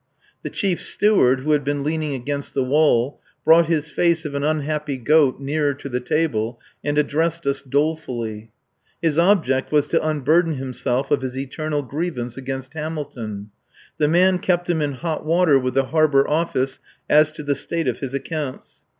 The Chief Steward, who had been leaning against the wall, brought his face of an unhappy goat nearer to the table and addressed us dolefully. His object was to unburden himself of his eternal grievance against Hamilton. The man kept him in hot water with the Harbour Office as to the state of his accounts.